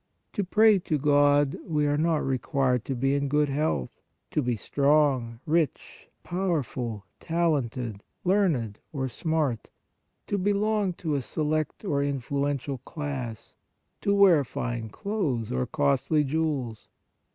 To pray to God we are not required to be in good health, to be strong, rich, powerful, talented, learned or smart, to belong to a select or influential class, to wear fine clothes or costly jewels.